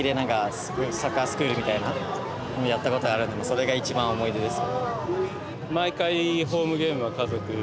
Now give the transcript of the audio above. それが一番思い出です。